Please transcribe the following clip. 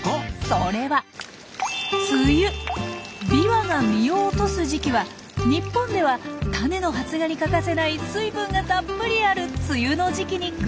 それはビワが実を落とす時期は日本では種の発芽に欠かせない水分がたっぷりある梅雨の時期に偶然重なったんです。